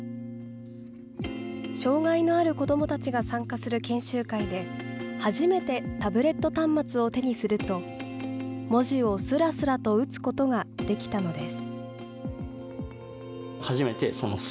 障害のある子どもたちが参加する研修会で、初めてタブレット端末を手にすると、文字をすらすらと打つことができたのです。